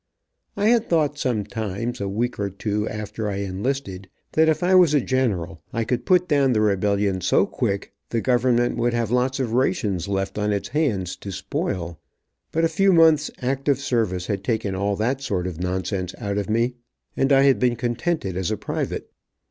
I had thought sometimes, a week or two after I enlisted, that if I was a general I could put down the rebellion so quick the government would have lots of nations left on its hands to spoil, but a few months active service had taken all that sort of nonsense out of me, and I had been contented as a private.